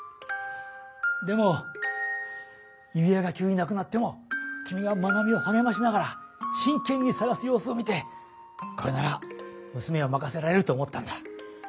でも指輪が急になくなっても君がまなみをはげましながら真けんに探す様子を見てこれならむすめをまかせられると思ったんだ。